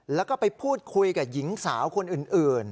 แล้วก็ไปพูดคุยกับหญิงสาวคนอื่น